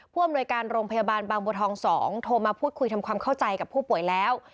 อำนวยการโรงพยาบาลบางบัวทอง๒โทรมาพูดคุยทำความเข้าใจกับผู้ป่วยแล้ว